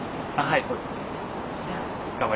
はいそうですね。